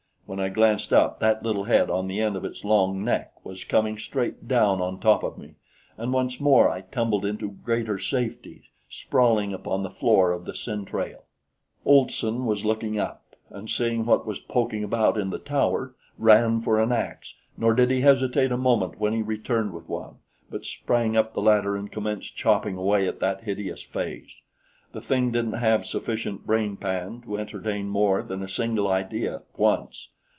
When I glanced up, that little head on the end of its long neck was coming straight down on top of me, and once more I tumbled into greater safety, sprawling upon the floor of the centrale. Olson was looking up, and seeing what was poking about in the tower, ran for an ax; nor did he hesitate a moment when he returned with one, but sprang up the ladder and commenced chopping away at that hideous face. The thing didn't have sufficient brainpan to entertain more than a single idea at once.